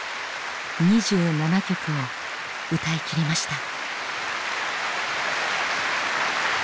２７曲を歌い切りました。